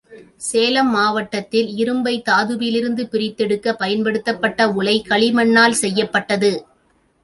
சேலம் மாவட்டத்தில் இரும்பைத் தாதுவிலிருந்து பிரித்தெடுக்கப் பயன்படுத்தப்பட்ட உலை களிமண்ணால் செய்யப்பட்டது.